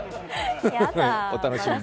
お楽しみに。